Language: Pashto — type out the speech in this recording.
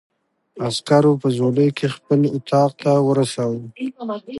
عسکرو په ځولۍ کې خپل اتاق ته ورساوه.